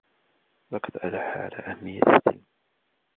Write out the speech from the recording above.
لقد ألح على أهمية السلم.